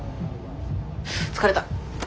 疲れた。